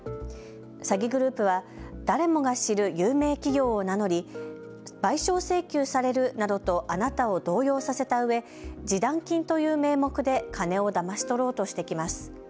詐欺グループは誰もが知る有名企業を名乗り賠償請求されるなどとあなたを動揺させたうえ示談金という名目で金をだまし取ろうとしてきます。